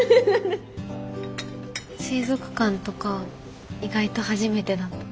水族館とか意外と初めてだった。